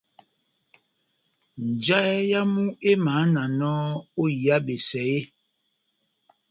Njahɛ yamu emahananɔ ó iha besɛ eeeh ?